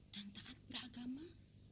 dan taat beragama